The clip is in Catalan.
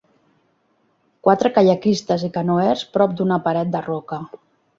Quatre caiaquistes i canoers prop d'una paret de roca.